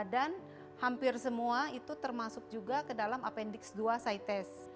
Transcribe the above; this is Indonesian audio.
dan hampir semua itu termasuk juga ke dalam appendix dua site test